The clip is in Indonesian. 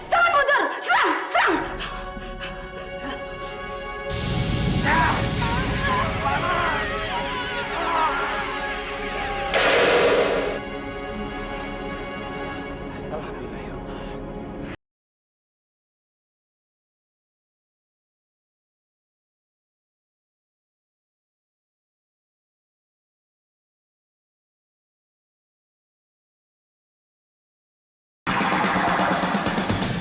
jangan mundur serang serang